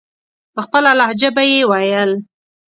په خپله لهجه به یې ویل.